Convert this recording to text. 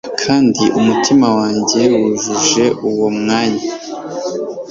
kandi mumutima wanjye wujuje uwo mwanya